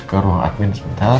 ke ruang admin sebentar